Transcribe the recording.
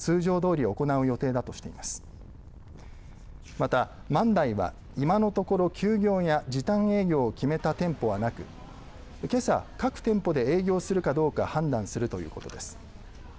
また万代は今のところ休業や時短営業を決めた店舗はなくけさ、各店舗で営業するかどうか判断するということです。